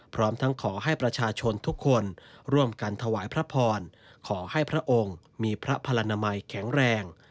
พร้อมทั้งขอให้ประชาชนทุกคนร่วมกันถวายพระพรขอให้พระองค์มีพระพลนามัยแข็งแรง